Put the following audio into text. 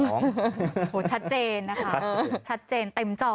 โอ้โหชัดเจนนะคะชัดเจนเต็มจอ